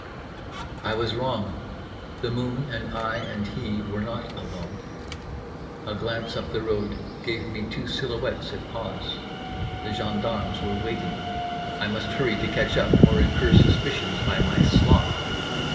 I was wrong, the moon and I and he were not alone…. A glance up the road gave me two silhouettes at pause. The gendarmes were waiting. I must hurry to catch up or incur suspicions by my sloth.